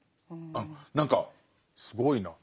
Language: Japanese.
何かすごいな。